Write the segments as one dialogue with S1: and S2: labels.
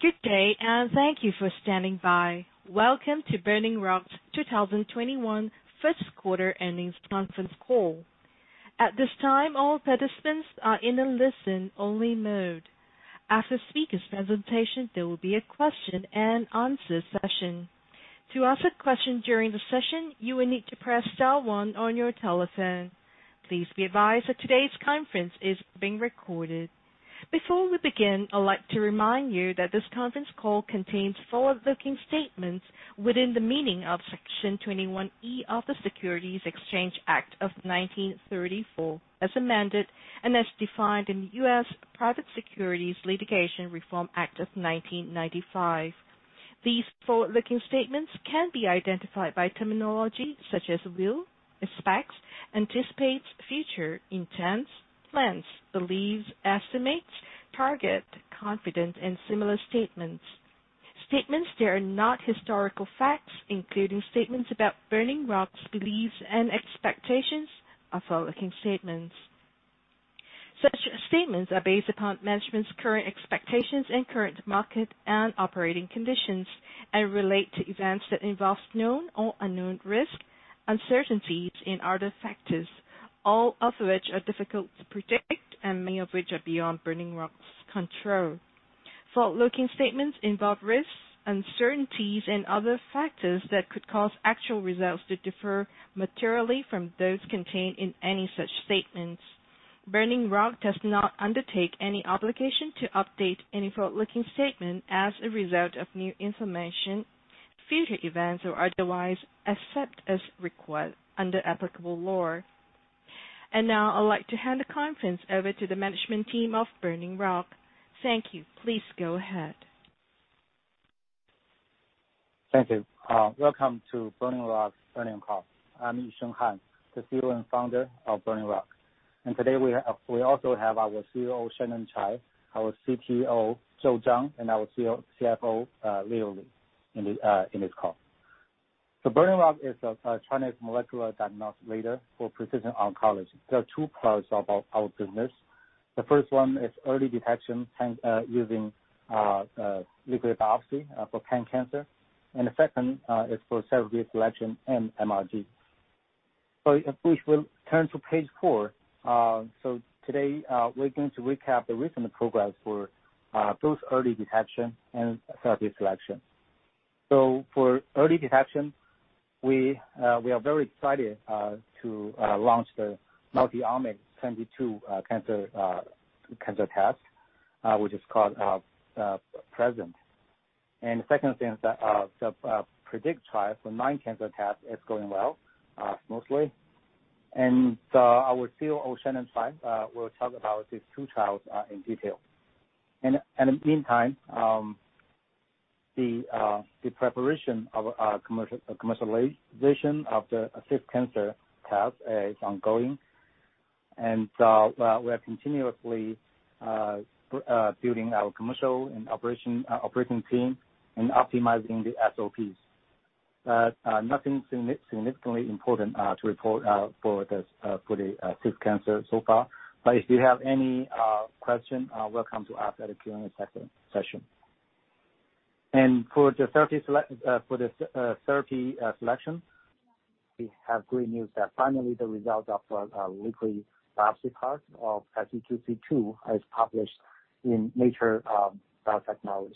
S1: Good day. Thank you for standing by. Welcome to Burning Rock 2021 first quarter earnings conference call. At this time, all participants are in a listen-only mode. After speakers presentation, there will be a question and answer session. To ask a question during the session, you will need to press star one on your telephone. Please be advised that today's conference is being recorded. Before we begin, I'd like to remind you that this conference call contains forward-looking statements within the meaning of Section 21E of the Securities Exchange Act of 1934, as amended, and as defined in U.S. Private Securities Litigation Reform Act of 1995. These forward-looking statements can be identified by terminology such as will, expects, anticipates, future, intends, plans, believes, estimates, target, confident, and similar statements. Statements that are not historical facts, including statements about Burning Rock's beliefs and expectations are forward-looking statements. Such statements are based upon management's current expectations and current market and operating conditions and relate to events that involve known or unknown risk, uncertainties and other factors, all of which are difficult to predict and many of which are beyond Burning Rock's control. Forward-looking statements involve risks, uncertainties, and other factors that could cause actual results to differ materially from those contained in any such statements. Burning Rock does not undertake any obligation to update any forward-looking statement as a result of new information, future events, or otherwise, except as required under applicable law. Now I'd like to hand the conference over to the management team of Burning Rock. Thank you. Please go ahead.
S2: Thank you. Welcome to Burning Rock earnings call. I'm Yusheng Han, the CEO and founder of Burning Rock. Today we also have our COO, Shannon Chuai, our CTO, Joe Zhang, and our CFO, Leo Li, in this call. Burning Rock is a Chinese molecular diagnostics for precision oncology. There are two parts of our business. The first one is early detection using liquid biopsy for pan-cancer, and the second is for cell collection and MRD. If we will turn to page four. Today, we're going to recap the recent progress for both early detection and therapy selection. For early detection, we are very excited to launch the multi-omic 22 cancer test, which is called PRESCIENT. Second thing is the PREDICT trial for nine cancer test is going well, smoothly. Our COO, Shannon Chuai, will talk about these two trials in detail. In the meantime, the preparation of commercialization of the six cancer path is ongoing. We're continuously building our commercial and operating team and optimizing the SOPs. Nothing significantly important to report for the fifth cancer so far. If you have any question, welcome to ask that during the Q&A session. For the therapy selection, we have great news that finally the result of our liquid biopsy card of SEQC2 has published in Nature Biotechnology,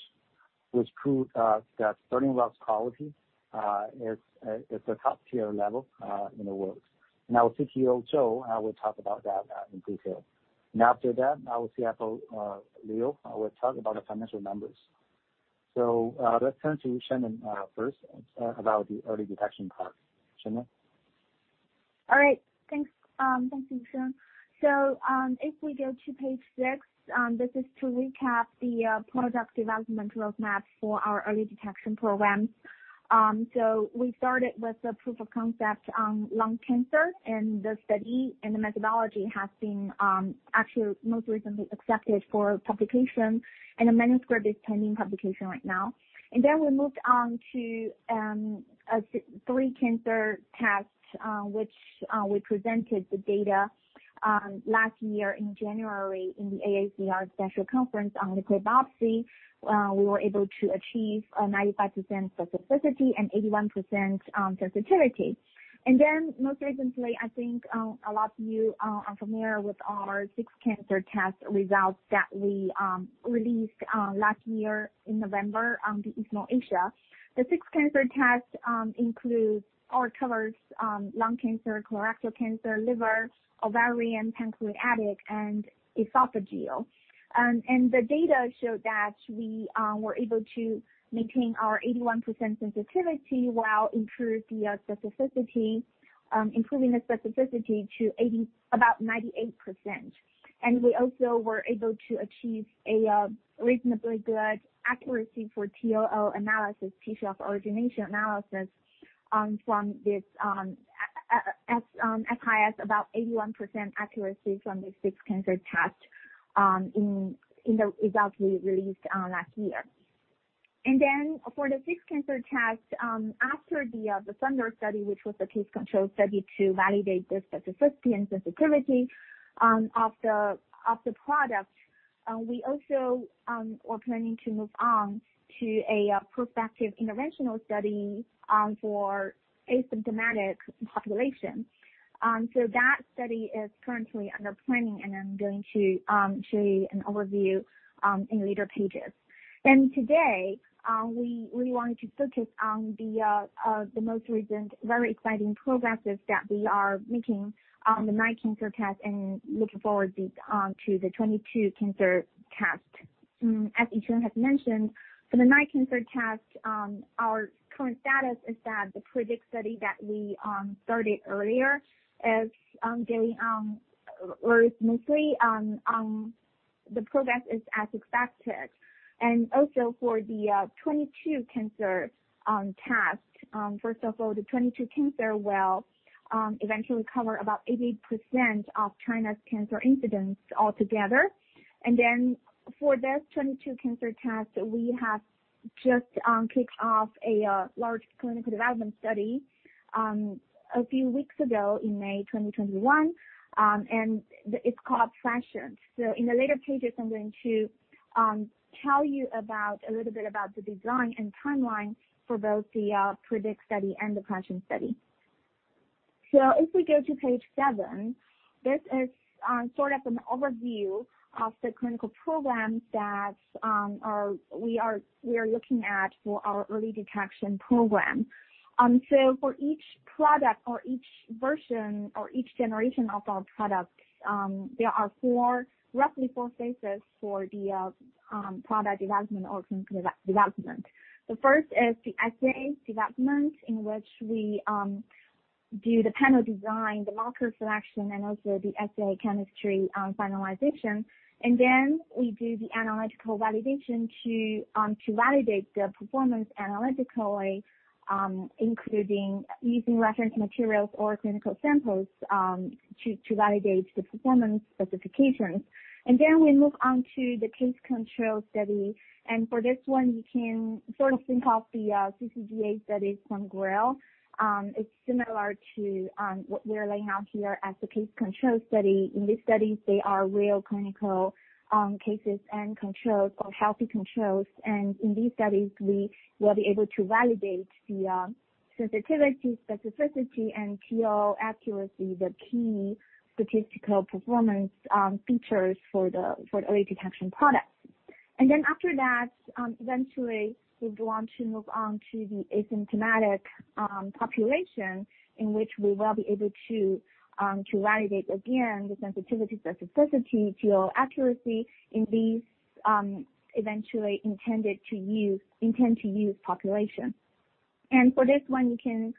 S2: which proves that Burning Rock's oncology is at the top-tier level in the world. Our CTO, Joe, will talk about that in detail. After that, our CFO, Leo, will talk about our financial numbers. Let's turn to Shannon first about the early detection part. Shannon.
S3: All right. Thanks, Yusheng. If we go to page six, this is to recap the product development roadmaps for our early detection programs. We started with the proof of concept lung cancer, and the study and the methodology has been actually most recently accepted for publication and is pending publication right now. We moved on to a three cancer test, which we presented the data last year in January in the AACR special conference on liquid biopsy. We were able to achieve 95% specificity and 81% sensitivity. Most recently, I think a lot of you are familiar with our six cancer test results that we released last year in November at the ESMO Asia. The six cancer test includes all common lung cancer, colorectal cancer, liver, ovarian, pancreatic, and esophageal. The data showed that we were able to maintain our 81% sensitivity while improving the specificity, including the specificity to about 98%. We also were able to achieve a reasonably good accuracy for TOO analysis, tissue of origin analysis, from this [SIS], about 81% accuracy from the six cancer test in the results we released last year. For the six cancer test, after the THUNDER study, which was the case-control study to validate the specificity and sensitivity of the product, we also were planning to move on to a prospective interventional study for asymptomatic population. That study is currently under planning, and I'm going to show you an overview in later pages. Today, we wanted to focus on the most recent, very exciting progresses that we are making on the nine cancer test and looking forward to the 22 cancer test. As Yusheng has mentioned, for the nine cancer test, our current status is that the PREDICT study that we started earlier is going very smoothly. The progress is as expected. For the 22 cancer test, first of all, the 22 cancer will eventually cover about 88% of China's cancer incidence altogether. For that 22 cancer test, we have just kicked off a large clinical development study a few weeks ago in May 2021, and it's called PRESCIENT. In the later pages, I'm going to tell you a little bit about the design and timeline for both the PREDICT study and the PRESCIENT study. If we go to page seven, this is sort of an overview of the clinical program that we are looking at for our early detection program. For each product or each version or each generation of our products, there are roughly four phases for the product development or clinical development. The first is the assay development, in which we do the panel design, the marker selection, and also the assay chemistry finalization. We do the analytical validation to validate the performance analytically, including using reference materials or clinical samples, to validate the performance specifications. We move on to the case-control study. For this one, you can sort of think of the CCGA study from Grail. It's similar to what we are laying out here as a case-control study. In these studies, they are real clinical cases and controls or healthy controls, and in these studies, we will be able to validate the sensitivity, specificity, and TOO accuracy, the key statistical performance features for the early detection products. After that, eventually, we want to move on to the asymptomatic population, in which we will be able to validate again the sensitivity, specificity, TOO accuracy in these eventually intend to use population. For this one, you can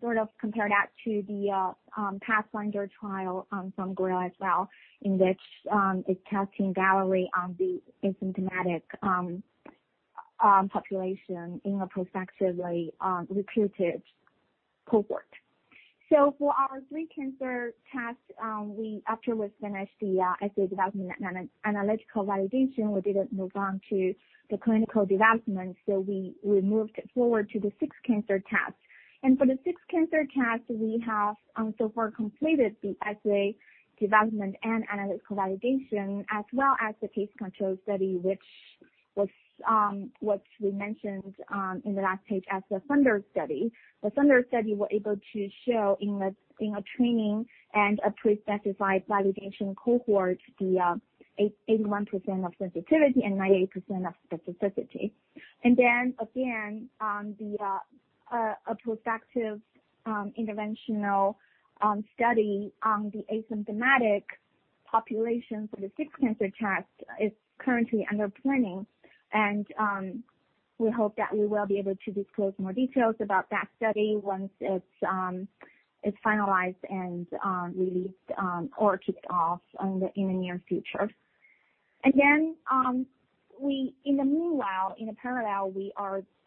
S3: sort of compare that to the PATHFINDER trial from Grail as well, in which it tests in Galleri on the asymptomatic population in a prospectively recruited cohort. For our three cancer tests, after we finished the assay development and analytical validation, we were able to move on to the clinical development so we moved forward to the six cancer test. For the six cancer tests, we have so far completed the assay development and analytical validation, as well as the case-control study, which we mentioned in the last page as the THUNDER study. The THUNDER study was able to show in a training and a pre-specified validation cohort the 81% of sensitivity and 98% of specificity. Again, a prospective interventional study on the asymptomatic population for the six cancer test is currently under planning. We hope that we will be able to disclose more details about that study once it's finalized and released or kicked off in the near future. Again, in the meanwhile, in parallel, we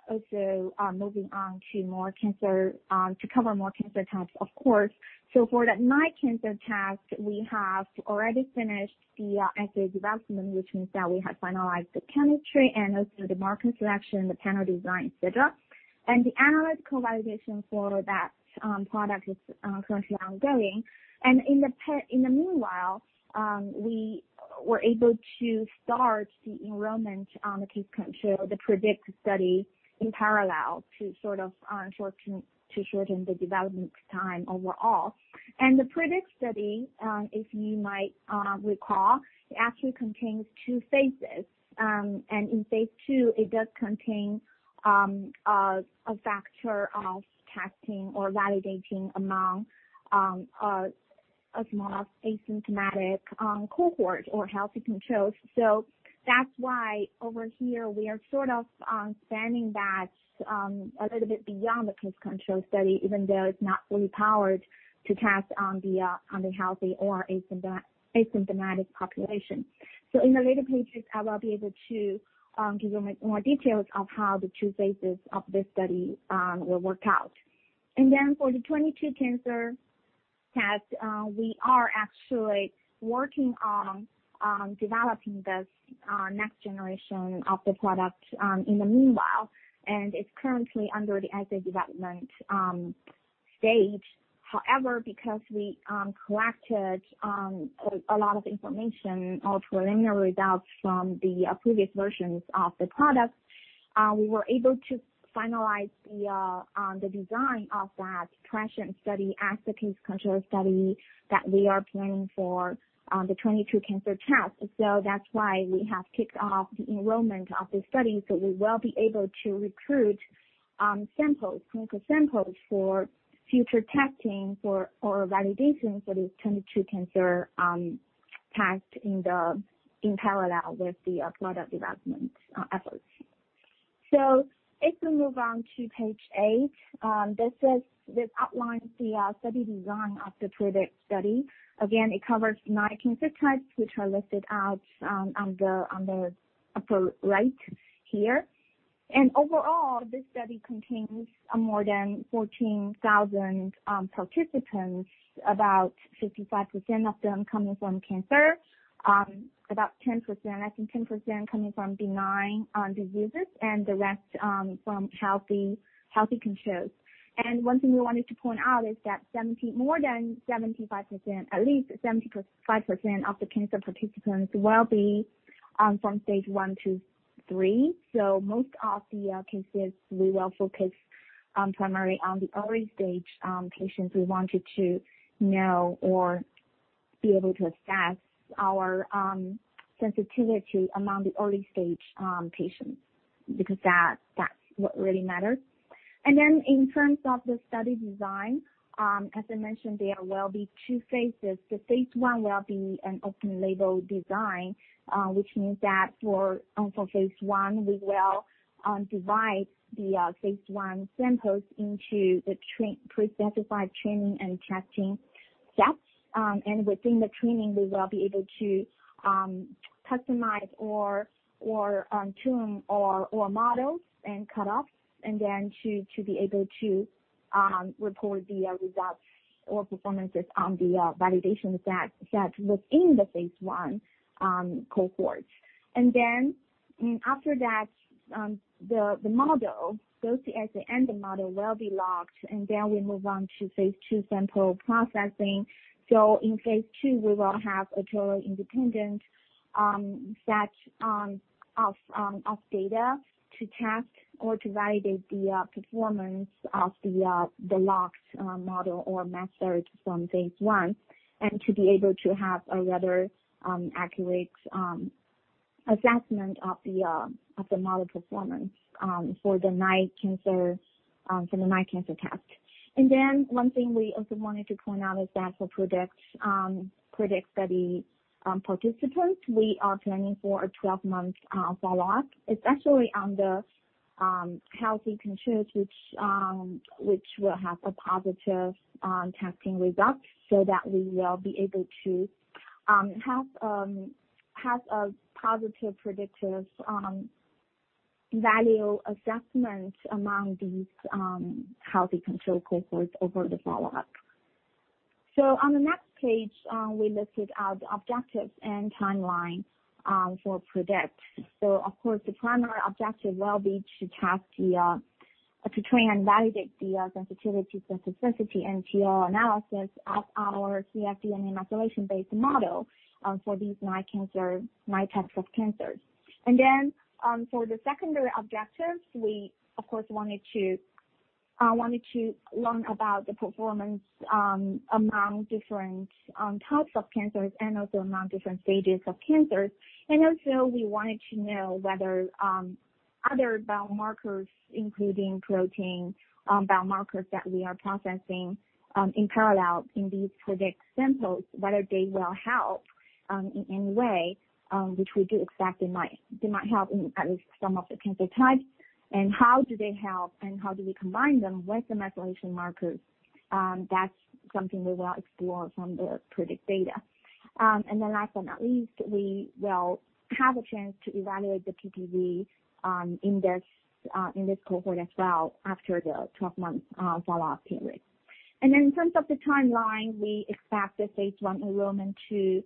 S3: are also moving on to cover more cancer types, of course. For that nine cancer test, we have already finished the assay development, which means that we have finalized the chemistry and also the marker selection, the panel design, etc. The analytical validation for that product is currently ongoing. In the meanwhile, we were able to start the enrollment case-control, the PREDICT study in parallel to shorten the development time overall. The PREDICT study, if you might recall, actually contains two phases. In phase II, it does contain a factor of testing or validation among a small asymptomatic cohort or healthy controls. That's why over here we are sort of expanding that a little bit beyond the case-control study, even though it's not fully powered to test on the healthy or asymptomatic population. In the later pages, I will be able to give more details of how the two phases of this study will work out. For the 22 cancers that we are actually working on developing this next generation of the product in the meanwhile, and it's currently under the early development stage. Because we collected a lot of information, also preliminary results from the previous versions of the product, we were able to finalize the design of that PRESCIENT study, as the case-control study that we are planning for the 22 cancer tests. That's why we have kicked off enrollment of the study, we will be able to recruit clinical samples for future testing for validation for these 22 cancer tests in parallel with the analytic development efforts. If we move on to page eight, this outlines the study design of the PREDICT study. Again, it covers nine cancer types, which are listed out on the upper right here. Overall, this study contains more than 14,000 participants, about 55% of them coming from cancer, about 10%, I think 10% coming from benign diseases, and the rest from healthy controls. One thing we wanted to point out is that more than 75%, at least 75% of the cancer participants will be from stage one to three. Most of the cases we will focus primarily on the early-stage patients who wanted to know or be able to assess our sensitivity among the early-stage patients, because that's what really matters. In terms of the study design, as I mentioned, there will be two phases. The phase I will be an open-label design, which means that for phase I, we will divide the phase I samples into the pre-specified training and testing sets. Within the training, we will be able to customize or tune our models and cutoffs, then to be able to record the results or performances on the validation set within the phase I cohort. After that, the model, basically at the end, the model will be locked, and we move on to phase II central processing. In phase II, we will have a totally independent set of data to test or to validate the performance of the locked model or methods from phase I and to be able to have a rather accurate assessment of the model performance for the nine cancer tests. One thing we also wanted to point out is that for PREDICT study participants, we are planning for a 12-month follow-up. It's actually on the healthy controls, which will have the positive testing results so that we will be able to have a positive predictive value assessment among these healthy control cohorts over the follow-up. On the next page, we listed out the objectives and timeline for PREDICT. Of course, the primary objective will be to train and validate the sensitivity, specificity, and TOO analysis of our cfDNA methylation-based model for these nine types of cancers. Then for the secondary objectives, we of course wanted to learn about the performance among different types of cancers and also among different stages of cancer. Also we wanted to know whether other biomarkers, including protein biomarkers that we are processing in parallel in these PREDICT samples, whether they will help in any way, which we do expect they might help in at least some of the cancer types, how do they help, and how do we combine them with the methylation markers? That's something we will explore from the PREDICT data. Last but not least, we will have a chance to evaluate the PPV in this cohort as well after the 12-month follow-up period. In terms of the timeline, we expect the phase I enrollment to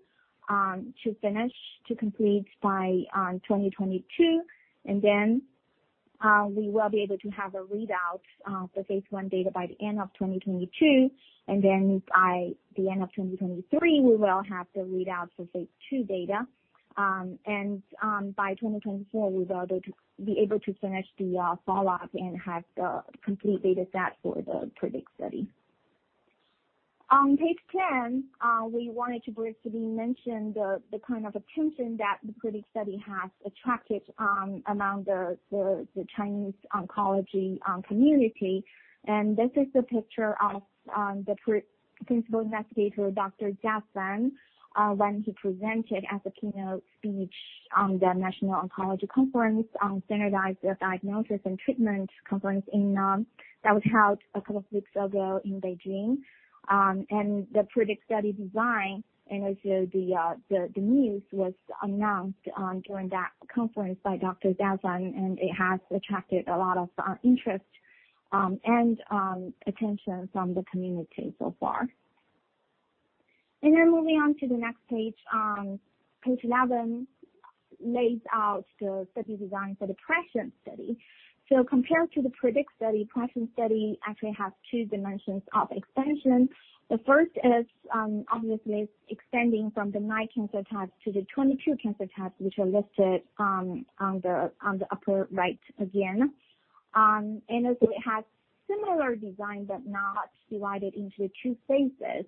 S3: complete by 2022, and then we will be able to have a readout of the phase I data by the end of 2022. By the end of 2023, we will have the readout for phase II data. By 2024, we will be able to finish the follow-up and have the complete data set for the PREDICT study. On page 10, we wanted to briefly mention the kind of attention that the PREDICT study has attracted among the Chinese oncology community. This is the picture of the Principal Investigator, Dr. Jian Zhang, when he presented as a keynote speech on the National Oncology Conference, Standardized Diagnosis and Treatment Conference that was held a couple of weeks ago in Beijing. The PREDICT study design, and also the news was announced during that conference by Dr. Jian Zhang, and it has attracted a lot of interest and attention from the community so far. Moving on to the next page 11 lays out the study design for the PRESCIENT study. Compared to the PREDICT study, PRESCIENT study actually has two dimensions of expansion. The first is obviously extending from the nine cancer types to the 22 cancer types, which are listed on the upper right again. It has similar design, but now divided into two phases.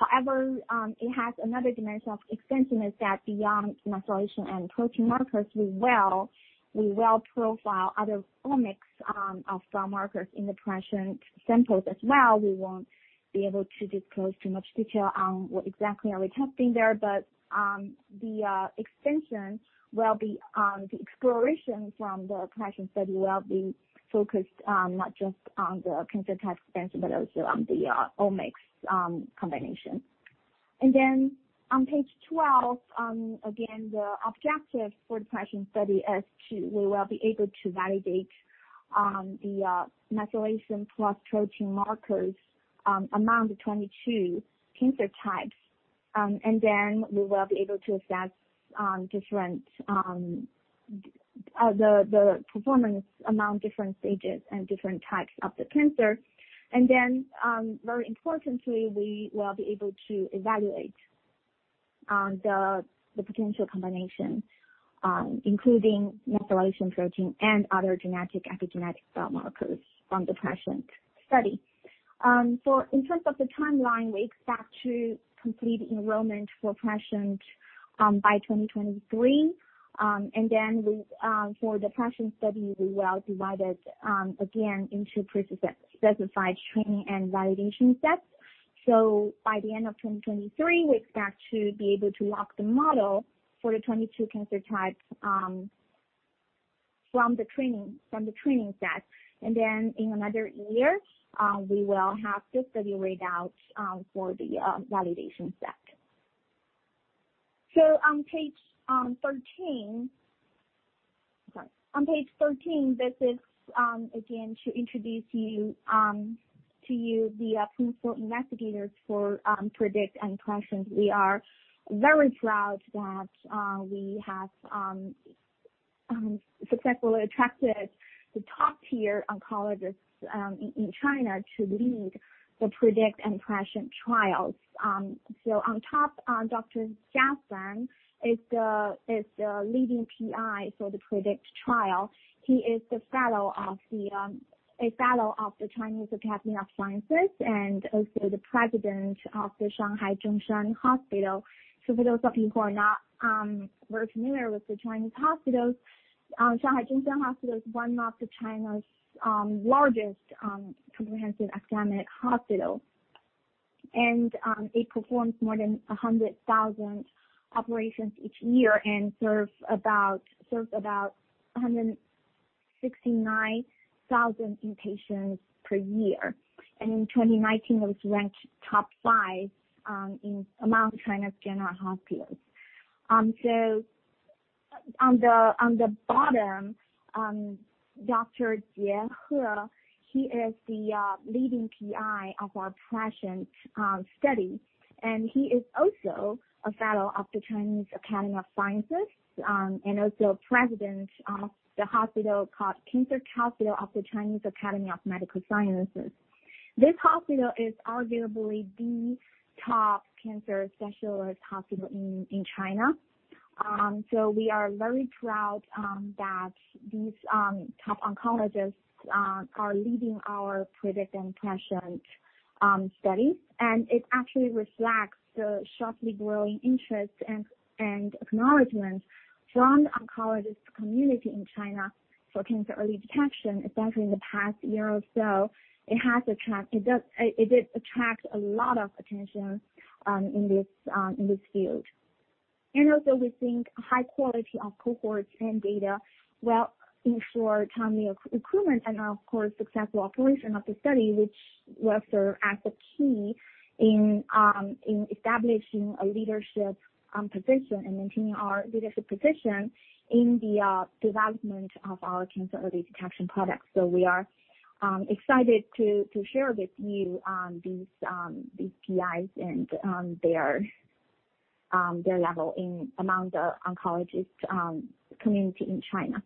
S3: However, it has another dimension of expansion, is that beyond methylation and protein markers, we will profile other omics of biomarkers in the PRESCIENT samples as well. We won't be able to disclose too much detail on exactly how we test there, but the exploration from the PRESCIENT study will be focused not just on the cancer type expansion, but also on the omics combination. On page 12, again, the objectives for the PRESCIENT study is we will be able to validate the methylation plus protein markers among the 22 cancer types, and then we will be able to assess the performance among different stages and different types of the cancer. Very importantly, we will be able to evaluate the potential combination, including methylation, protein, and other genetic, epigenetic biomarkers on the PRESCIENT study. In terms of the timeline, we expect to complete enrollment for PRESCIENT by 2023. For the PRESCIENT study, we will divide it again into pre-specified training and validation sets. By the end of 2023, we expect to be able to lock the model for the 22 cancer types from the training set. In another year, we will have the study read out for the validation set. On page 13, this is again to introduce to you the principal investigators for PREDICT and PRESCIENT. We are very proud that we have successfully attracted the top-tier oncologists in China to lead the PREDICT and PRESCIENT trials. On top, Dr. Jian Zhang is the leading PI for the PREDICT trial. He is a fellow of the Chinese Academy of Sciences and also the president of the Shanghai Zhongshan Hospital. For those of you who are not familiar with the Chinese hospitals, Shanghai Zhongshan Hospital is one of China's largest comprehensive academic hospitals, and it performs more than 100,000 operations each year and serves about 169,000 inpatients per year. In 2019, it was ranked top five among China's general hospitals. On the bottom, Dr. Jie He, he is the leading PI of our PRESCIENT study, and he is also a fellow of the Chinese Academy of Sciences and also President of the hospital called Cancer Hospital, Chinese Academy of Medical Sciences. This hospital is arguably the top cancer specialist hospital in China. We are very proud that these top oncologists are leading our PREDICT and PRESCIENT studies. It actually reflects the sharply growing interest and acknowledgment from the oncologist community in China for cancer early detection, especially in the past year or so. It did attract a lot of attention in this field. We think high quality of cohort trend data will ensure timely recruitment and of course, successful completion of the study, which will serve as a key in establishing a leadership position and maintaining our leadership position in the development of our cancer early detection products. We are excited to share with you these PIs and their level among the oncologist community in China.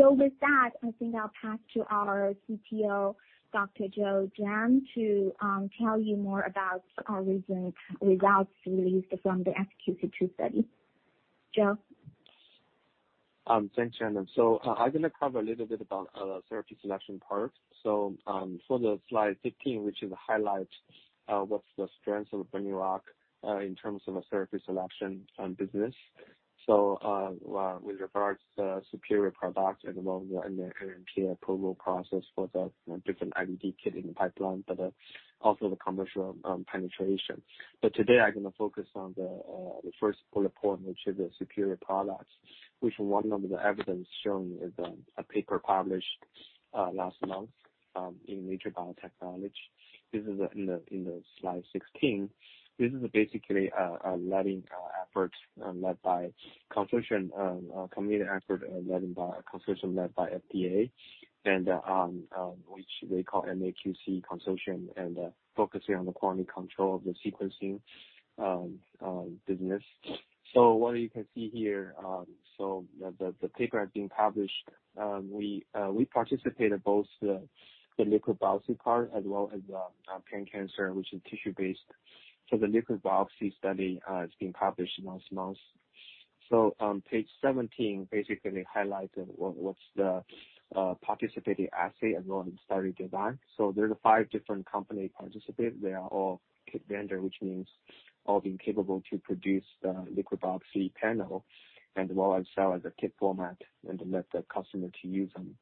S3: With that, I think I'll pass to our CTO, Dr. Joe Zhang, to tell you more about our recent results released from the xQCT study. Joe.
S4: Thanks, Shannon. I'm going to cover a little bit about therapy selection part. For the slide 15, which highlights what's the strength of Burning Rock in terms of the therapy selection business. With regards to the superior product and along the NMP approval process for the different IVD kit in the pipeline, but also the commercial penetration. Today I'm going to focus on the first bullet point, which is the superior products, which one of the evidence shown is a paper published last month in Nature Biotechnology. This is in the slide 16. This is basically a community effort, consortium led by FDA and which they call MAQC consortium and focusing on the quality control of the sequencing business. What you can see here, the paper has been published. We participated both the liquid biopsy part as well as the pan-cancer, which is tissue-based. The liquid biopsy study has been published last month. Page 17 basically highlighted what's the participating assay as well as study design. There are five different company participate. They are all kit vendor, which means all being capable to produce the liquid biopsy panel, and as well as sell the kit format and let the customer to use them.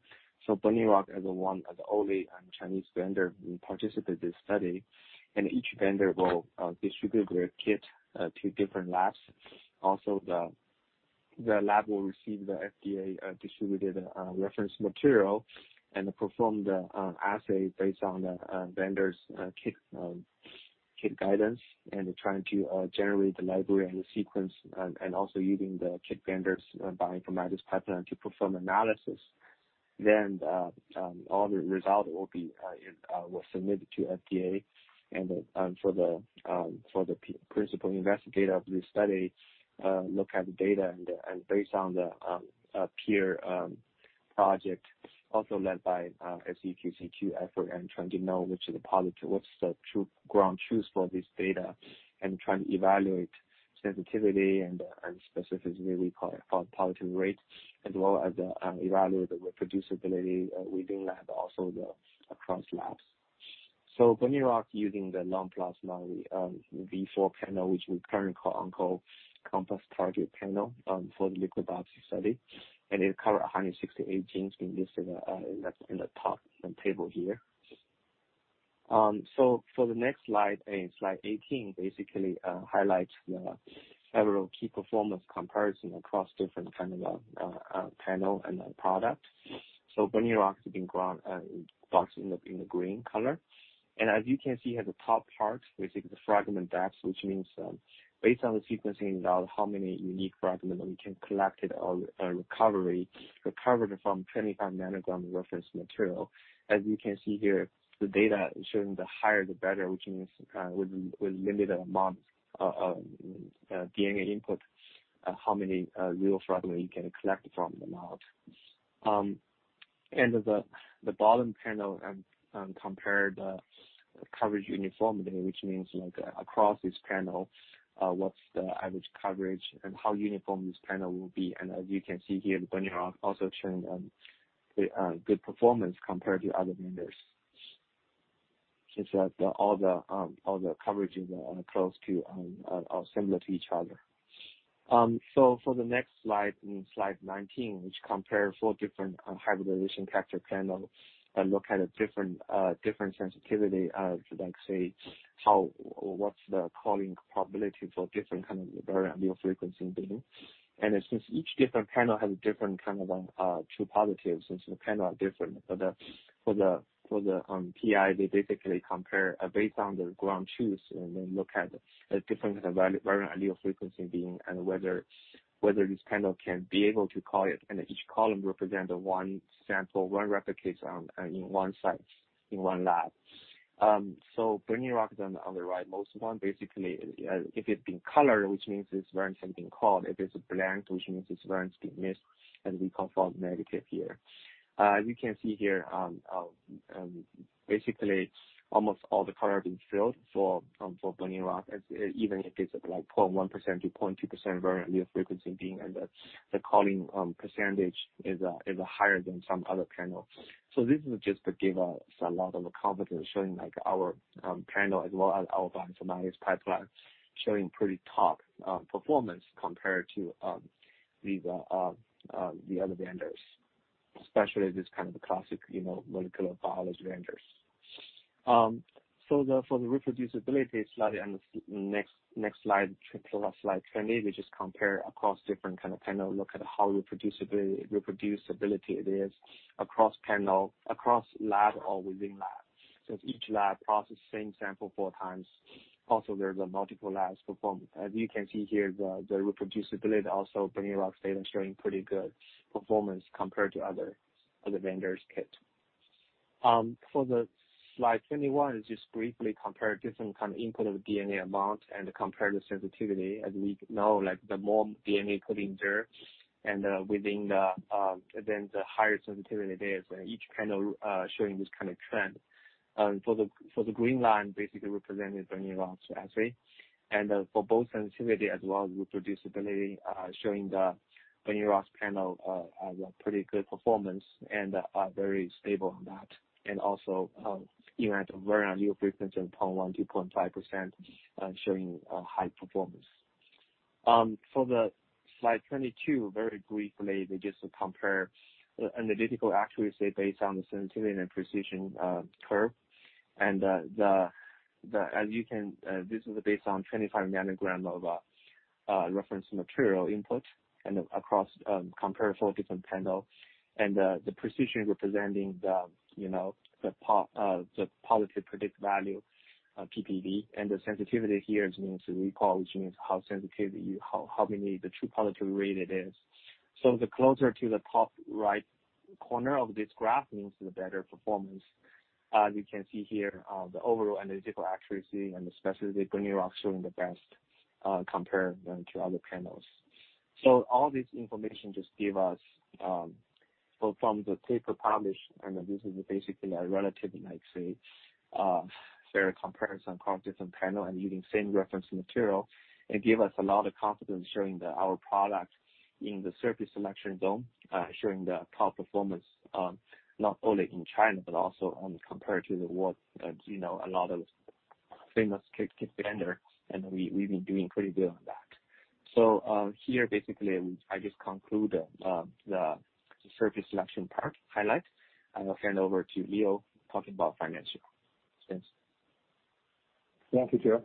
S4: Burning Rock is the one and only Chinese vendor who participate this study, and each vendor will distribute their kit to different labs. The lab will receive the FDA distributed reference material and perform the assay based on the vendor's kit guidance, and trying to generate the library and the sequence, and also using the kit vendor's bioinformatics pipeline to perform analysis. All the result will be submitted to FDA. For the Principal Investigator of this study, look at the data and based on the peer project, also led by SEQC effort and trying to know which of the positive, what's the ground truth for this data and trying to evaluate sensitivity and specificity, positive rate as well as evaluate the reproducibility within lab also across labs. Burning Rock using the lung plus panel, which we currently call OncoCompass Target Panel for the liquid biopsy study, and it cover 168 genes listed in the top table here. For the next slide 18, basically highlights the several key performance comparison across different kind of panel and product. Burning Rock has been boxed in the green color, and as you can see at the top part, basically the fragment depth, which means based on the sequencing, how many unique fragment we can collect at a recovery recovered from 25 nanogram reference material. As you can see here, the data showing the higher the better, which means with limited amount of DNA input, how many real fragment you can collect from them out. The bottom panel compare the coverage uniformity, which means across this panel, what's the average coverage and how uniform this panel will be. As you can see here, Burning Rock also showing good performance compared to other vendors, such that all the coverage is close to or similar to each other. For the next slide, in slide 19, which compare four different hybridization capture panels and look at different sensitivity to say what's the calling probability for different kind of variant allele frequency bin. Since each different panel has different kind of true positives, since the panel are different. For the PI, they basically compare based on the ground truth, and then look at the different kind of variant allele frequency bin and whether this panel can be able to call it, and each column represent one sample, one replicate in one site, in one lab. Burning Rock is on the rightmost one. Basically, if it's been colored, which means this variant have been called, if it's blank, which means this variant's been missed, as we call negative here. As you can see here, basically, almost all the color being filled for Burning Rock, even if it's 0.1% to 0.2% variant allele frequency, the calling percentage is higher than some other panels. This is just to give us a lot of confidence showing our panel as well as our bioinformatics pipeline, showing pretty top performance compared to the other vendors, especially this kind of classic molecular biology vendors. For the reproducibility study and next slide 20, which compare across different kind of panel, look at how reproducibility it is across lab or within lab, since each lab process same sample four times. Also, there's a multiple labs performance. As you can see here, the reproducibility also Burning Rock data showing pretty good performance compared to other vendor's kit. For the slide 21, it just briefly compare different kind of input of DNA amount and compare the sensitivity. As we know, like the more DNA put in there then the higher sensitivity it is, and each panel showing this kind of trend. For the green line, basically representing Burning Rock's assay. For both sensitivity as well as reproducibility, showing the Burning Rock's panel a pretty good performance and very stable on that. Also, in variant allele frequency of 0.1%-0.5% showing high performance. For the slide 22, very briefly, they just compare analytical accuracy based on the sensitivity and precision curve. This is based on 25 ng of reference material input and compare four different panels and the precision representing the positive predictive value, PPV, and the sensitivity here means recall, which means how sensitive, how many the true positive rate it is. The closer to the top right corner of this graph means the better performance. You can see here, the overall analytical accuracy, and especially Burning Rock showing the best compared then to other panels. All this information just give us-- From the paper published, and this is basically a relatively fair comparison across different panel and using same reference material, it gave us a lot of confidence showing that our product in the therapy selection zone, showing the top performance, not only in China, but also when compared to the world, a lot of famous kit standards, and we've been doing pretty good on that. Here, basically, I just conclude the therapy selection part highlight, and I'll hand over to Leo talking about financials. Thanks.
S5: Thank you, Joe.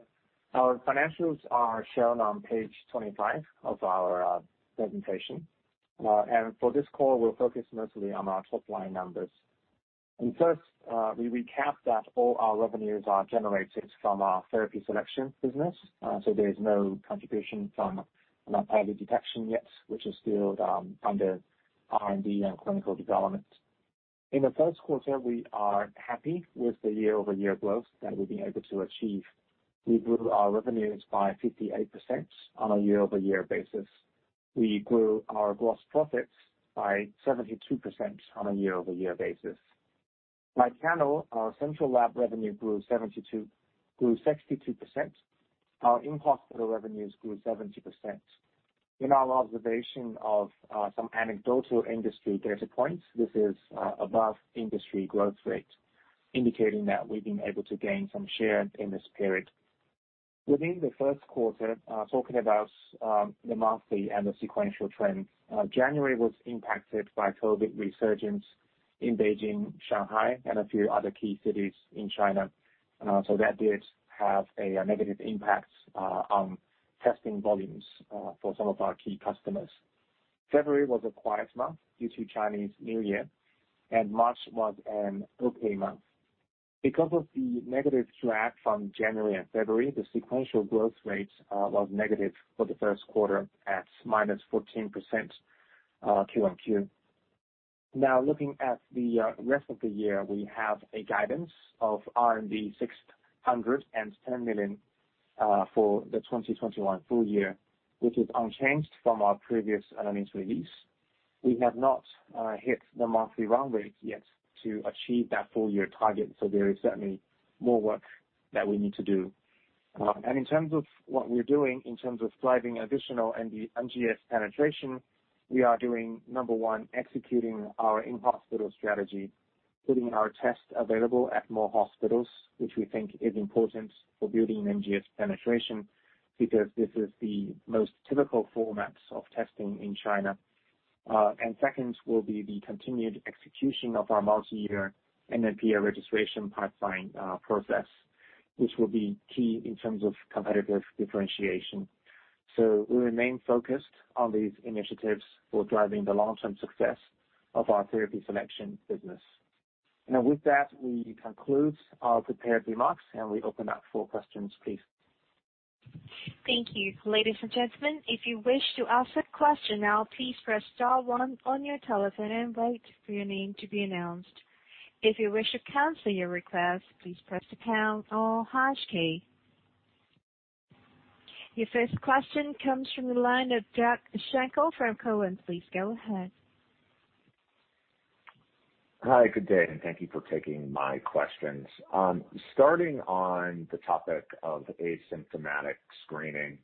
S5: Our financials are shown on page 25 of our presentation. For this call, we'll focus mostly on our top-line numbers. First, we recap that all our revenues are generated from our therapy selection business, so there's no contribution from our pathogen detection yet, which is still under R&D and clinical development. In the first quarter, we are happy with the year-over-year growth that we've been able to achieve. We grew our revenues by 58% on a year-over-year basis. We grew our gross profits by 72% on a year-over-year basis. By channel, our central lab revenue grew 62%. Our in-hospital revenues grew 70%. In our observation of some anecdotal industry data points, this is above industry growth rate, indicating that we've been able to gain some share in this period. Within the first quarter, talking about the monthly and the sequential trends, January was impacted by COVID resurgence in Beijing, Shanghai, and a few other key cities in China. That did have a negative impact on testing volumes for some of our key customers. February was a quiet month due to Chinese New Year, and March was an okay month. Because of the negative drag from January and February, the sequential growth rate was negative for the first quarter at -14% Q1Q. Now looking at the rest of the year, we have a guidance of RMB 610 million for the 2021 full year, which is unchanged from our previous earnings release. We have not hit the monthly run rate yet to achieve that full-year target, so there is certainly more work that we need to do. In terms of what we're doing in terms of driving additional NGS penetration, we are doing, number one, executing our in-hospital strategy, putting our tests available at more hospitals, which we think is important for building an NGS penetration because this is the most typical formats of testing in China. Second will be the continued execution of our multi-year NMPA registration pipeline process, which will be key in terms of competitive differentiation. We remain focused on these initiatives for driving the long-term success of our therapy selection business. With that, we conclude our prepared remarks. We open up for questions please.
S1: Thank you. Ladies and gentlemen, if you wish to ask a question now, please press star one on your telephone and wait for your name to be announced. If you wish to cancel your request, please press the pound or hash key. Your first question comes from the line of Doug Schenkel from Cowen. Please go ahead.
S6: Hi, good day. Thank you for taking my questions. Starting on the topic of asymptomatic screening,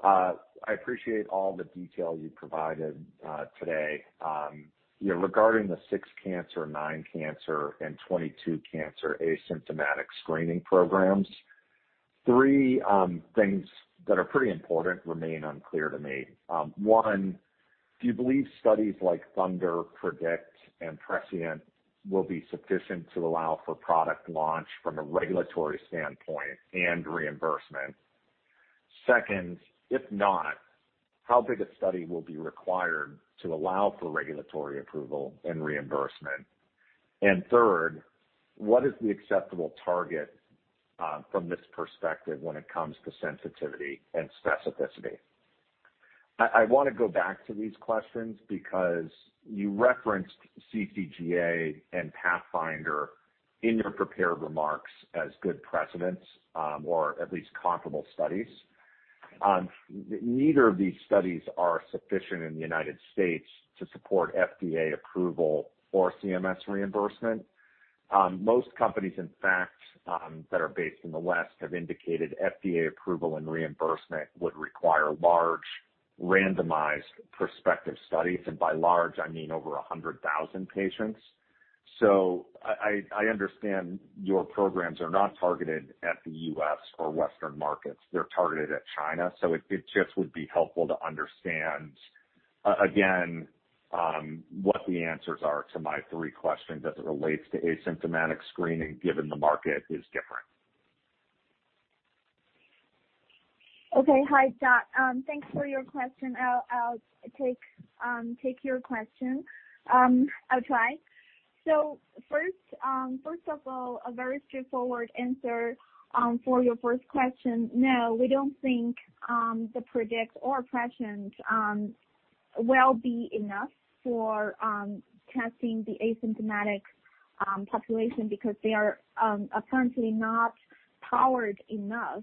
S6: I appreciate all the detail you provided today. Regarding the six cancer, nine cancer, and 22 cancer asymptomatic screening programs, three things that are pretty important remain unclear to me. One, do you believe studies like THUNDER, PREDICT, and PRESCIENT will be sufficient to allow for product launch from a regulatory standpoint and reimbursement? Second, if not, how big a study will be required to allow for regulatory approval and reimbursement? Third, what is the acceptable target from this perspective when it comes to sensitivity and specificity? I want to go back to these questions because you referenced CCGA and PATHFINDER in your prepared remarks as good precedents or at least comparable studies. Neither of these studies are sufficient in the United States to support FDA approval or CMS reimbursement. Most companies, in fact, that are based in the West have indicated FDA approval and reimbursement would require large, randomized prospective studies, and by large, I mean over 100,000 patients. I understand your programs are not targeted at the U.S. or Western markets. They're targeted at China. It just would be helpful to understand, again, what the answers are to my three questions as it relates to asymptomatic screening, given the market is different.
S3: Okay. Hi, Doug. Thanks for your question. I'll take your question. First of all, a very straightforward answer for your first question. No, we don't think the PREDICT or PRESCIENT will be enough for testing the asymptomatic population because they are apparently not powered enough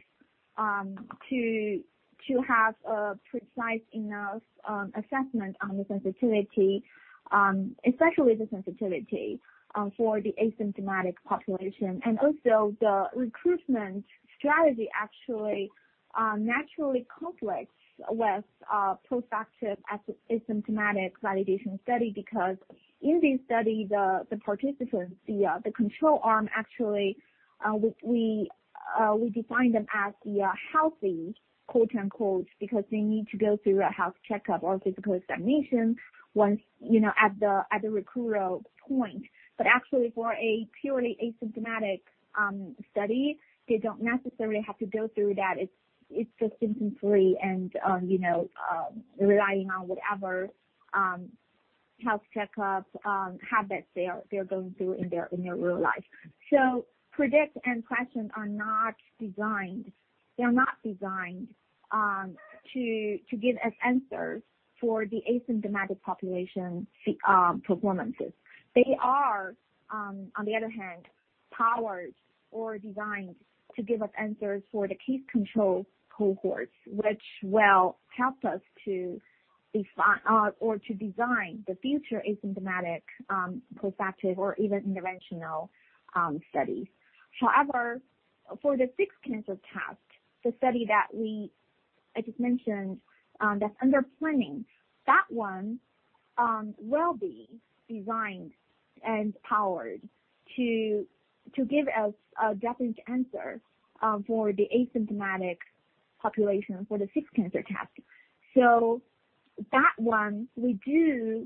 S3: to have a precise enough assessment on the sensitivity, especially the sensitivity for the asymptomatic population. Also, the recruitment strategy actually naturally conflicts with [post-factum] asymptomatic validation study, because in this study, the participants, the control arm, actually, we define them as the healthy, quote-unquote, because they need to go through a health checkup or take a blood examination at the recruiter point. Actually, for a purely asymptomatic study, they don't necessarily have to go through that. It's just symptom-free and relying on whatever health checkups habits they're going through in their real life. PREDICT and PRESCIENT are not designed to give us answers for the asymptomatic population performances. They are, on the other hand, powered or designed to give us answers for the case control cohorts, which will help us to design the future asymptomatic post-factum or even interventional studies. For the six cancer test, the study that we just mentioned that's under planning, that one will be designed and powered to give us a definite answer for the asymptomatic population for the six cancer tests. That one we do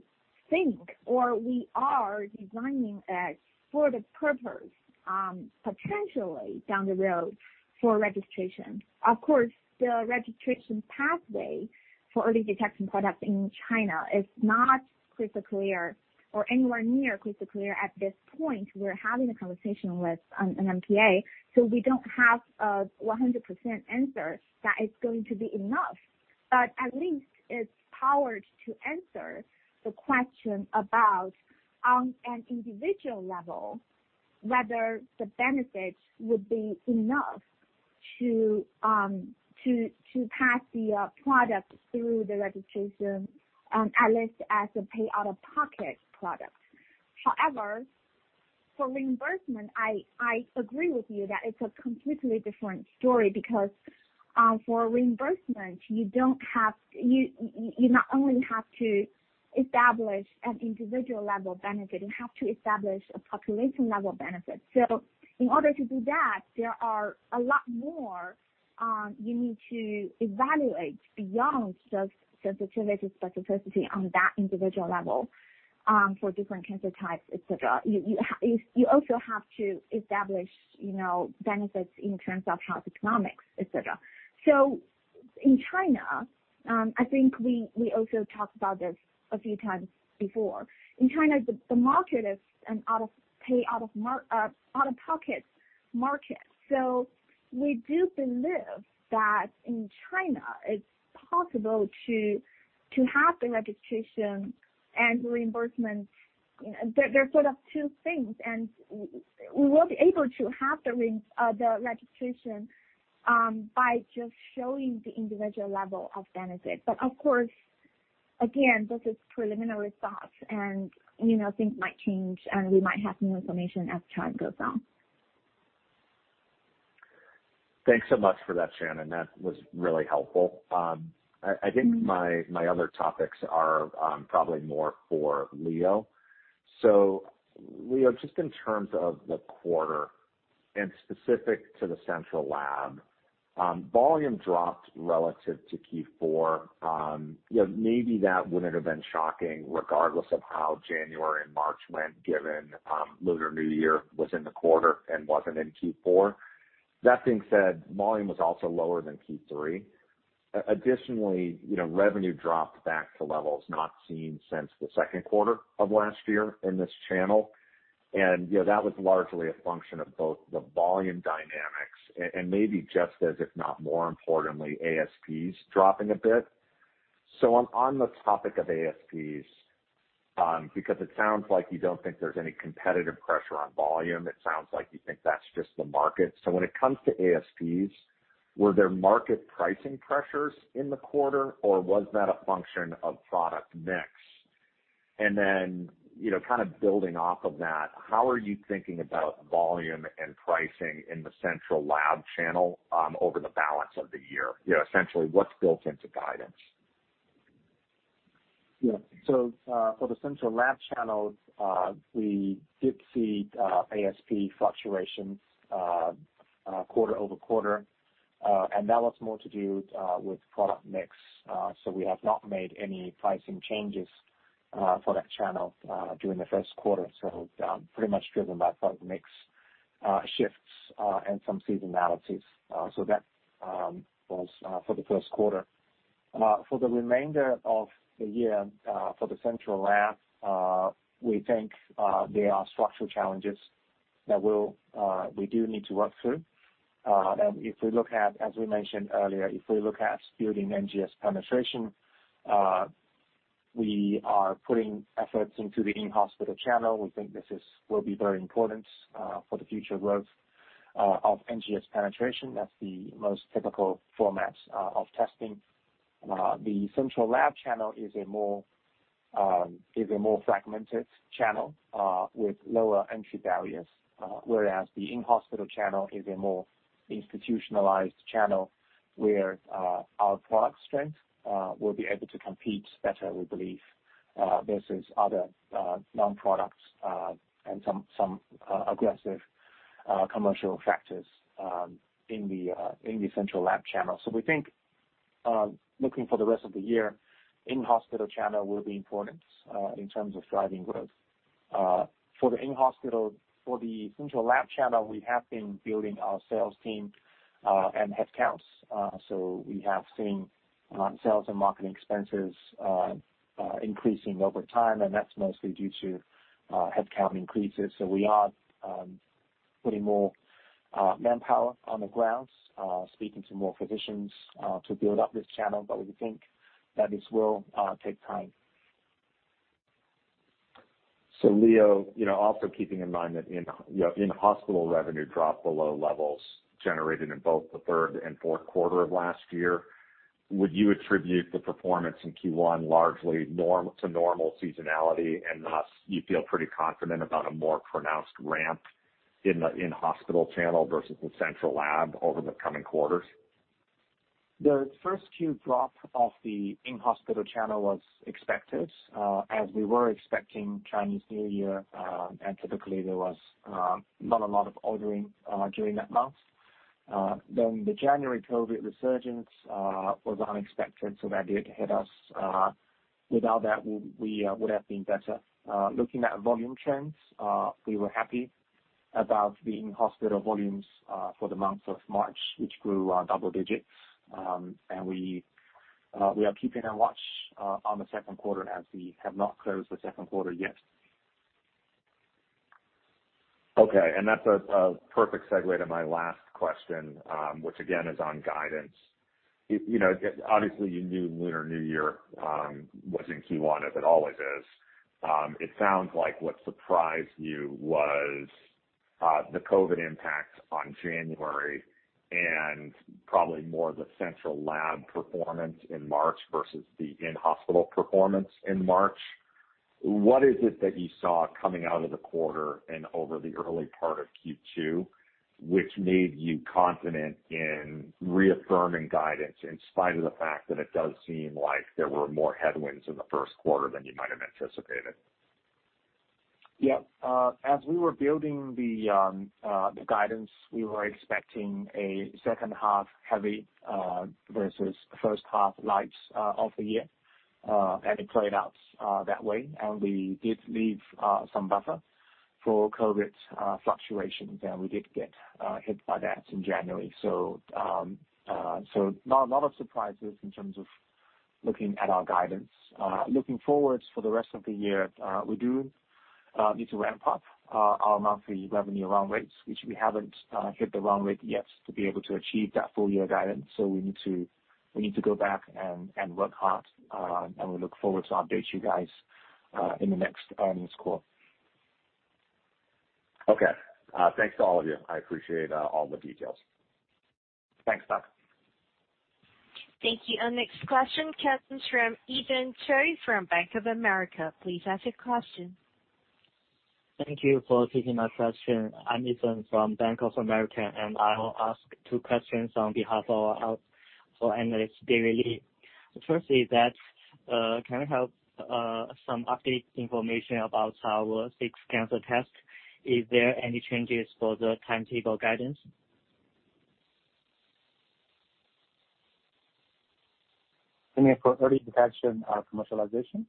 S3: think, or we are designing it for the purpose, potentially down the road, for registration. Of course, the registration pathway for early detection setup in China is not crystal clear or anywhere near crystal clear at this point. We're having a conversation with an NMPA, so we don't have a 100% answer that it's going to be enough, but at least it's powered to answer the question about, on an individual level, whether the benefit would be enough to pass the product through the registration, at least as a pay out-of-pocket product. However, for reimbursement, I agree with you that it's a completely different story, because for reimbursement, you not only have to establish an individual level benefit, you have to establish a population level benefit. In order to do that, there are a lot more you need to evaluate beyond sensitivity, specificity on that individual level for different cancer types, et cetera. You also have to establish benefits in terms of health economics, et cetera. In China, I think we also talked about this a few times before. In China, the market is an out-of-pocket market. We do believe that in China it's possible to have the registration and reimbursement. They're sort of two things, and we were able to have the registration by just showing the individual level of benefit. Of course, again, this is preliminary thoughts and things might change, and we might have new information as time goes on.
S6: Thanks so much for that, Shannon. That was really helpful. I think my other topics are probably more for Leo. Leo, just in terms of the quarter and specific to the central lab, volume dropped relative to Q4. Maybe that wouldn't have been shocking regardless of how January and March went, given Lunar New Year was in the quarter and wasn't in Q4. That being said, volume was also lower than Q3. Additionally, revenue dropped back to levels not seen since the second quarter of last year in this channel, and that was largely a function of both the volume dynamics and maybe just as, if not more importantly, ASPs dropping a bit. On the topic of ASPs, because it sounds like you don't think there's any competitive pressure on volume, it sounds like you think that's just the market. When it comes to ASPs, were there market pricing pressures in the quarter, or was that a function of product mix? Building off of that, how are you thinking about volume and pricing in the central lab channel over the balance of the year? Essentially, what's built into guidance?
S5: Yeah. For the central lab channels, we did see ASP fluctuations quarter-over-quarter, and that was more to do with product mix. We have not made any pricing changes for that channel during the first quarter. Pretty much driven by product mix shifts and some seasonalities. That was for the first quarter. For the remainder of the year, for the central lab, we think there are structural challenges that we do need to work through. As we mentioned earlier, if we look at building NGS penetration, we are putting efforts into the in-hospital channel. We think this will be very important for the future growth of NGS penetration. That's the most typical format of testing. The central lab channel is a more fragmented channel with lower entry barriers. Whereas the in-hospital channel is a more institutionalized channel where our product strength will be able to compete better, we believe, versus other non-products and some aggressive commercial factors in the central lab channel. We think, looking for the rest of the year, in-hospital channel will be important in terms of driving growth. For the central lab channel, we have been building our sales team and headcounts. We have seen sales and marketing expenses increasing over time, and that's mostly due to headcount increases. We are putting more manpower on the ground, speaking to more physicians to build up this channel. We think that this will take time.
S6: Leo, also keeping in mind that in-hospital revenue dropped below levels generated in both the third and fourth quarter of last year, would you attribute the performance in Q1 largely to normal seasonality, and thus you feel pretty confident about a more pronounced ramp in the in-hospital channel versus the central lab over the coming quarters?
S5: The first Q drop of the in-hospital channel was expected, as we were expecting Chinese New Year, and typically there was not a lot of ordering during that month. The January COVID resurgence was unexpected, so that did hit us. Without that, we would have been better. Looking at volume trends, we were happy about the in-hospital volumes for the month of March, which grew double digits. We are keeping a watch on the second quarter as we have not closed the second quarter yet.
S6: Okay. That's a perfect segue to my last question, which again, is on guidance. Obviously, you knew Lunar New Year was in Q1, as it always is. It sounds like what surprised you was the COVID impact on January and probably more the central lab performance in March versus the in-hospital performance in March. What is it that you saw coming out of the quarter and over the early part of Q2 which made you confident in reaffirming guidance, in spite of the fact that it does seem like there were more headwinds in the first quarter than you might have anticipated?
S5: Yeah. As we were building the guidance, we were expecting a second half heavy versus first half light of the year, and it played out that way. We did leave some buffer for COVID fluctuations, and we did get hit by that in January. Not a lot of surprises in terms of looking at our guidance. Looking forwards for the rest of the year, we do need to ramp up our monthly revenue run rates, which we haven't hit the run rate yet to be able to achieve that full year guidance. We need to go back and work hard, and we look forward to update you guys in the next earnings call.
S6: Okay. Thanks to all of you. I appreciate all the details.
S5: Thanks, Doug.
S1: Thank you. Our next question comes from Yi Feng Cheng from Bank of America. Please ask your question.
S7: Thank you for taking my question. I'm Yi Feng from Bank of America, and I'll ask two questions on behalf of our analyst community. Firstly, can we have some update information about our six cancer test? Is there any changes for the timetable guidance?
S2: I mean, for early detection or commercialization?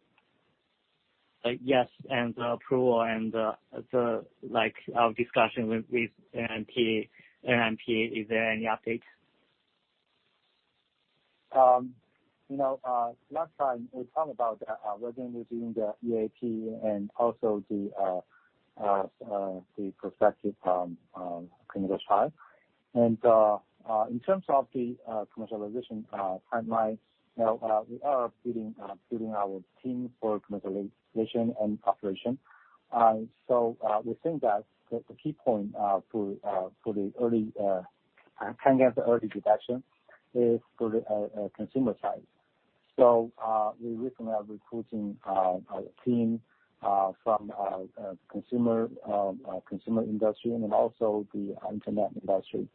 S7: Yes, the approval and the, like, our discussion with NMPA, is there any updates?
S2: Last time we talked about that, whether we're doing the EAP and also the prospective consumer trial. In terms of the commercialization timeline, we are building our team for commercialization and operation. We think that the key point for the early detection is for the consumer trials. We recently are recruiting a team from consumer industry and also the internet industry.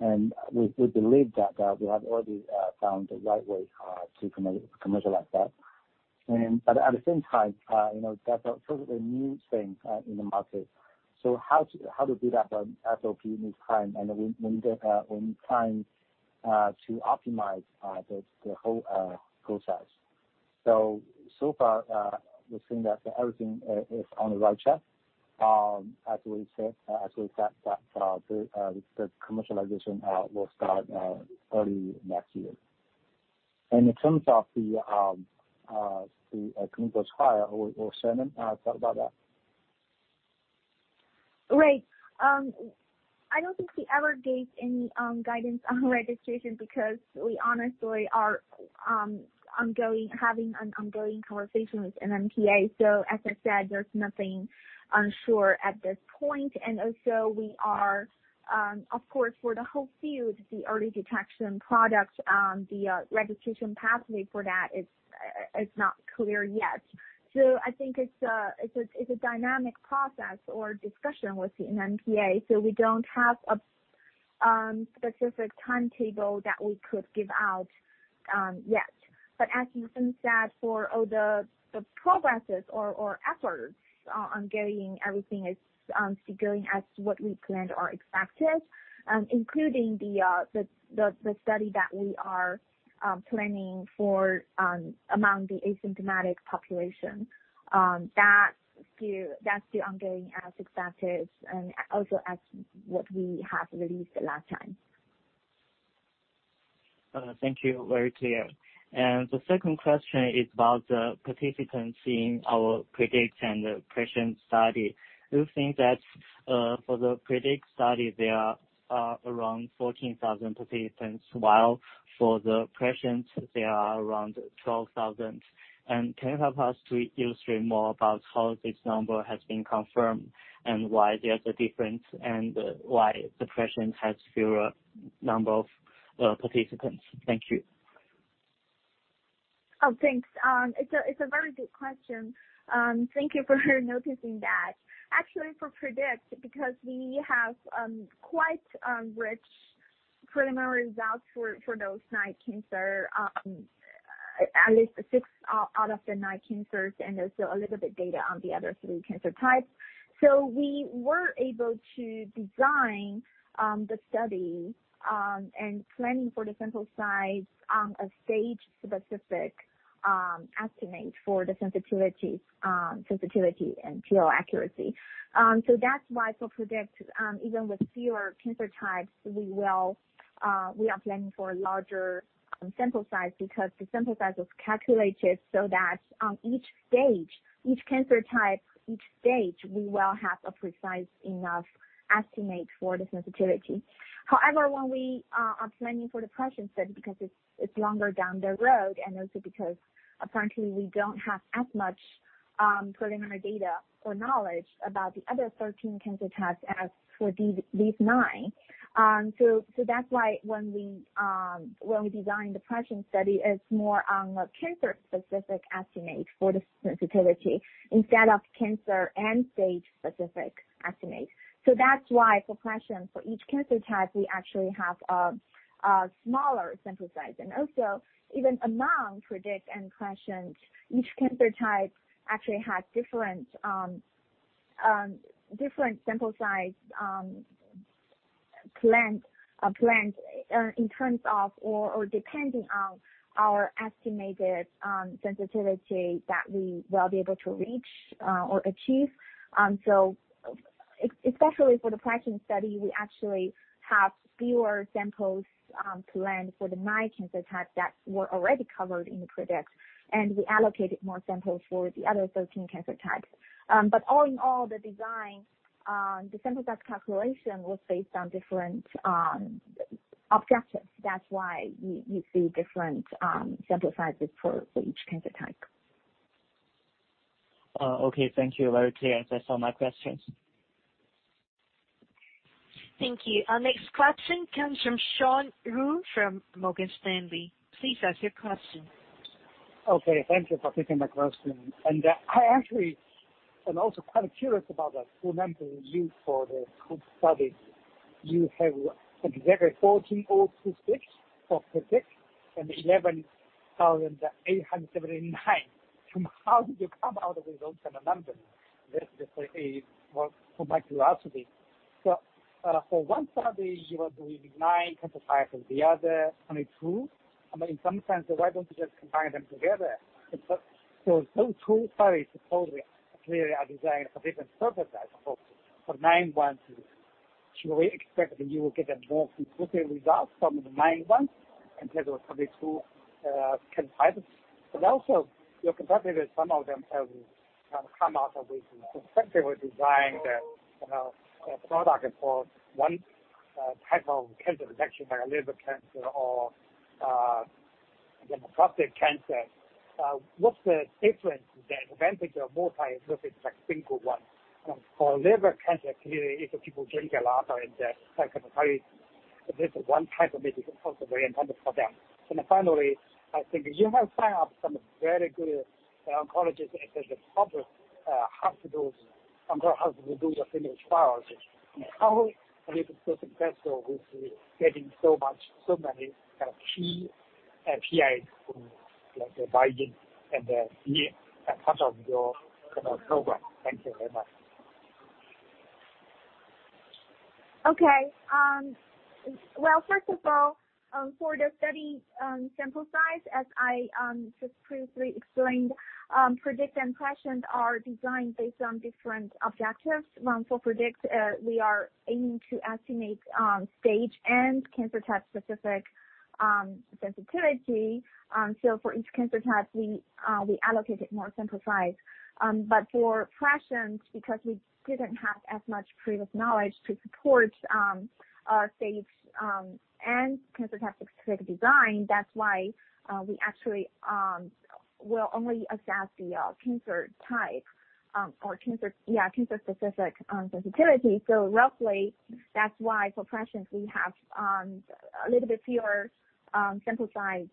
S2: We believe that we have already found the right way to commercialize that. At the same time, that's also the new thing in the market. How to do that effectively this time and when trying to optimize the whole process. So far, we're seeing that everything is on the right track. As we said, the commercialization will start early next year. In terms of the clinical trial, will Shannon talk about that?
S3: Right. I don't think we ever gave any guidance on registration because we honestly are having an ongoing conversation with NMPA. As I said, there's nothing sure at this point. Also, we are, of course, for the whole field, the early detection product, the registration pathway for that is not clear yet. I think it's a dynamic process or discussion with the NMPA. We don't have a specific timetable that we could give out yet. As Yusheng said, for all the progresses or efforts on getting everything is going as what we planned or expected, including the study that we are planning for among the asymptomatic population. That's still ongoing as expected and also as what we have released last time.
S7: Thank you. Very clear. The second question is about the participants in our PREDICT and the PRESCIENT study. Do you think that for the PREDICT study, there are around 14,000 participants, while for the PRESCIENT, there are around 12,000. Can you help us to illustrate more about how this number has been confirmed and why there's a difference, and why the PRESCIENT has fewer number of participants? Thank you.
S3: Thanks. It's a very good question. Thank you for noticing that. For PREDICT, because we have quite rich preliminary results for those nine cancer, at least six out of the nine cancers, and there's still a little bit data on the other three cancer types. We were able to design the study, and planning for the sample size, a stage-specific estimate for the sensitivity and PO accuracy. That's why for PREDICT, even with fewer cancer types, we are planning for larger sample size, because the sample size was calculated so that on each stage, each cancer type, each stage, we will have a precise enough estimate for the sensitivity. When we are planning for the PRESCIENT study, because it's longer down the road, and also because apparently we don't have as much preliminary data or knowledge about the other 13 cancer types as for these nine. That's why when we designed the PRESCIENT study, it's more on a cancer-specific estimate for the sensitivity instead of cancer and stage-specific estimate. For PRESCIENT, for each cancer type, we actually have a smaller sample size. Even among PREDICT and PRESCIENT, each cancer type actually has different sample size planned in terms of or depending on our estimated sensitivity that we will be able to reach or achieve. Especially for the PRESCIENT study, we actually have fewer samples planned for the nine cancer types that were already covered in PREDICT, and we allocated more samples for the other 13 cancer types. All in all, the design, the sample size calculation was based on different objectives. That's why you see different sample sizes for each cancer type.
S7: Okay. Thank you. Very clear. That's all my questions.
S1: Thank you. Our next question comes from Sean Wu from Morgan Stanley. Please ask your question.
S8: Okay. Thank you for taking my question. I actually am also quite curious about the full number you use for the study. You have exactly 14,026 for PREDICT and 11,879. How did you come out with those kind of numbers? That is for my curiosity. For one study, you are doing nine cancer types and the other 22. I mean, in some sense, why don't you just combine them together? Those two studies supposedly, clearly are designed for different purposes. For nine ones, should we expect that you will get a more conclusive result from the nine ones instead of from the two cancer types? Also, you're competitive, some of them have come out of this. In fact, they were designed the product for one type of cancer detection, like liver cancer or again, prostate cancer. What's the difference, the advantage of multi is versus like single one? For liver cancer, clearly, if people drink a lot and they have hepatitis, this one type of medicine is also very important for them. Finally, I think you have signed up some very good oncologists at the public hospital, oncology hospitals to do your clinical trials. How have you been so successful with getting so many key PIs like [Beijing] and be a part of your program? Thank you very much.
S3: First of all, for the study sample size, as I just previously explained, PREDICT and PRESCIENT are designed based on different objectives. For PREDICT, we are aiming to estimate stage and cancer type-specific sensitivity. For each cancer type, we allocated more sample size. For PRESCIENT, because we didn't have as much previous knowledge to support our stage and cancer type-specific design, that's why we actually will only assess the cancer type or cancer-specific sensitivity. Roughly, that's why for PRESCIENT, we have a little bit fewer sample size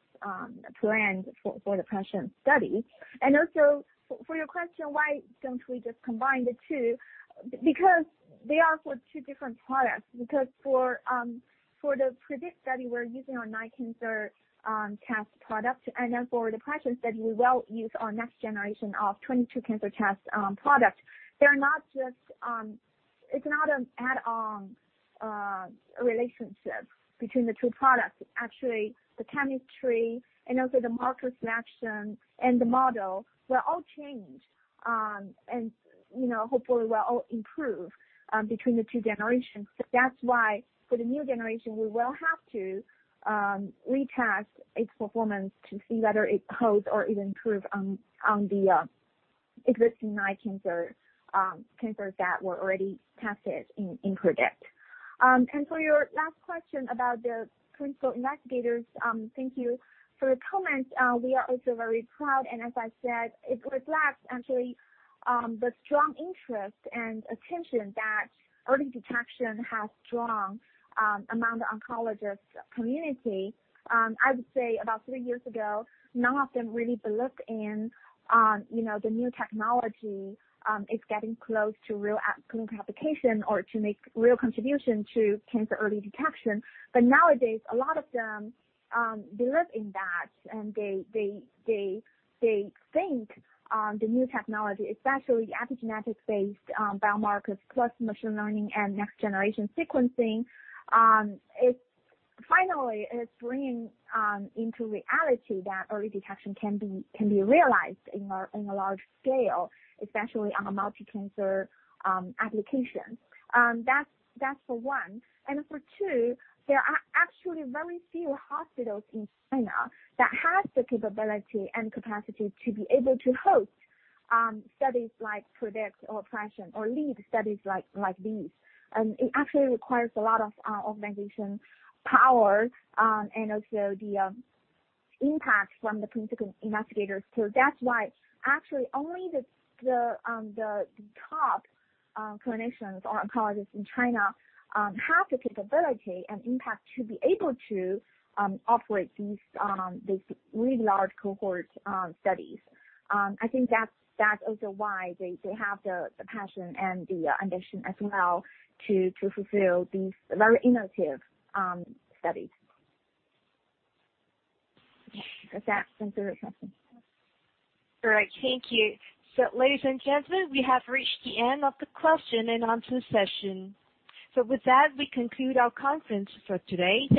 S3: planned for the PRESCIENT study. Also for your question, why don't we just combine the two? They are for two different products, because for the PREDICT study, we're using our nine cancer types product, for the PRESCIENT study, we will use our next generation of 22 cancer types product. It's not an add-on relationship between the two products. Actually, the chemistry and also the marker selection and the model will all change, and hopefully will all improve between the two generations. That's why for the new generation, we will have to retest its performance to see whether it holds or even improves on the existing nine cancer types that were already tested in PREDICT. For your last question about the principal investigators, thank you for the comment. We are also very proud, and as I said, it reflects actually the strong interest and attention that early detection has drawn among the oncologist community. I'd say about three years ago, none of them really believed in the new technology, it's getting close to real application or to make real contribution to cancer early detection. Nowadays, a lot of them believe in that, and they think the new technology, especially epigenetic-based biomarkers plus machine learning and next-generation sequencing, finally it's bringing into reality that early detection can be realized in a large scale, especially on a multi-cancer application. That's for one. For two, there are actually very few hospitals in China that have the capability and capacity to be able to host studies like PREDICT or PRESCIENT or lead studies like these. It actually requires a lot of organization power, and also the impact from the principal investigators. That's why actually only the top clinicians or oncologists in China have the capability and impact to be able to operate these really large cohort studies. I think that's also why they have the passion and the ambition as well to fulfill these very innovative studies. Does that answer your question?
S1: All right. Thank you. Ladies and gentlemen, we have reached the end of the question and answer session. With that, we conclude our conference for today.